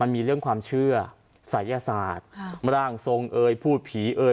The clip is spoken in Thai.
มีเรื่องความเชื่อศัยศาสตร์ร่างทรงเอ่ยพูดผีเอ่ย